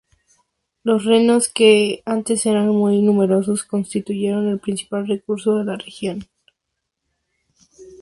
Los renos, que antes eran muy numerosos, constituyen el principal recurso de la región.